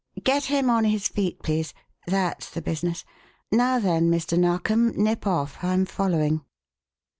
"Get him on his feet, please. That's the business! Now then, Mr. Narkom nip off; I'm following."